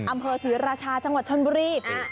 อำเภอศรีราชาจังหวัดชนบุรี